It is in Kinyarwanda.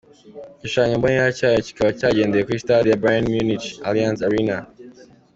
Igishushanyo mbonera cyayo kikaba cyagendeye kuri stade ya Bayern Munich, Allianz Arena.